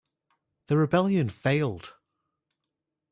The rebellion failed.